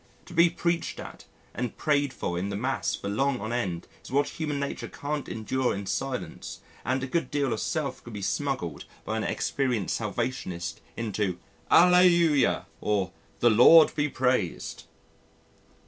To be preached at and prayed for in the mass for long on end is what human nature can't endure in silence and a good deal of self can be smuggled by an experienced Salvationist into "Alleluia" or "The Lord be praised."